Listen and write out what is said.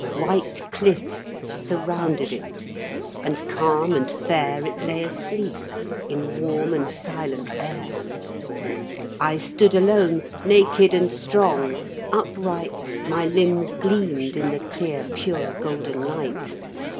White cliffs surrounded it and calm and fair It lay asleep, in warm and silent air. I stood alone naked and strong, upright My limbs gleamed in the clear pure golden light.